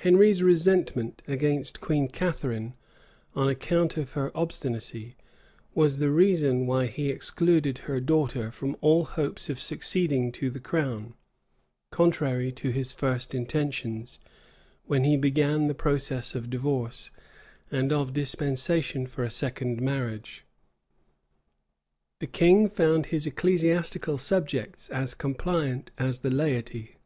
Henry's resentment against Queen Catharine, on account of her obstinacy, was the reason why he excluded her daughter from all hopes of succeeding to the crown; contrary to his first intentions, when he began the process of divorce, and of dispensation for a second marriage. The king found his ecclesiastical subjects as compliant as the laity.